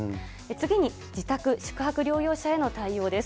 次に、自宅・宿泊療養者への対応です。